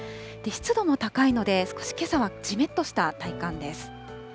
湿度も高いので、少しけさはじめっとした体感です。